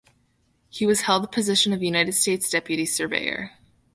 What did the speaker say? He was held the position of United States Deputy Surveyor.